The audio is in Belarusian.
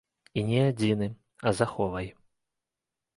І не адзіны, а з аховай.